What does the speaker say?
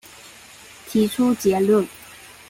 提出結論